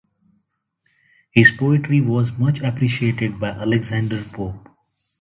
His poetry was much appreciated by Alexander Pope.